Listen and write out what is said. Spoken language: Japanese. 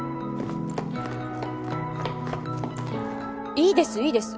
いいですいいです。